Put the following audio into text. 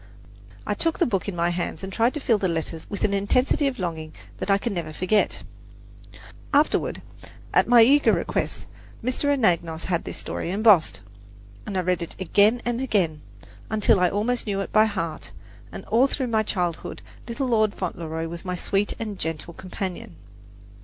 I took the book in my hands and tried to feel the letters with an intensity of longing that I can never forget. Afterward, at my eager request, Mr. Anagnos had this story embossed, and I read it again and again, until I almost knew it by heart; and all through my childhood "Little Lord Fauntleroy" was my sweet and gentle companion.